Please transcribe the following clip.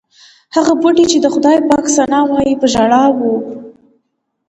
هغه بوټي چې د خدای پاک ثنا وایي په ژړا و.